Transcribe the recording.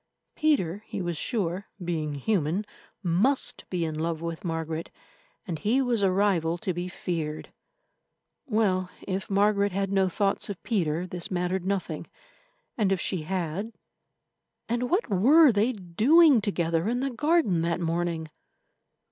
Peter, he was sure, being human, must be in love with Margaret, and he was a rival to be feared. Well, if Margaret had no thoughts of Peter, this mattered nothing, and if she had—and what were they doing together in the garden that morning?